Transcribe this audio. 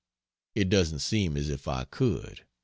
It doesn't seem as if I could.